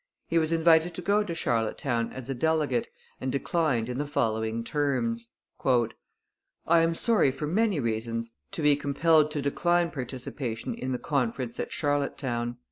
He was invited to go to Charlottetown as a delegate, and declined in the following terms: I am sorry for many reasons to be compelled to decline participation in the conference at Charlottetown.